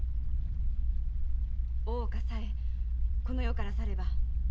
大岡さえこの世から去れば。